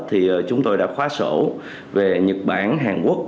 thì chúng tôi đã khóa sổ về nhật bản hàn quốc